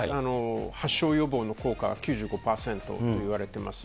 発症予防の効果は９５％と言われてます。